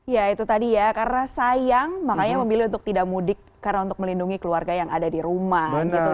ya itu tadi ya karena sayang makanya memilih untuk tidak mudik karena untuk melindungi keluarga yang ada di rumah gitu